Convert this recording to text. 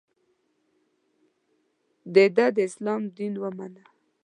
د ه داسلام دین ومانه.